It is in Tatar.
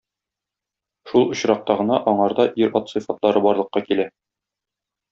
Шул очракта гына аңарда ир-ат сыйфатлары барлыкка килә.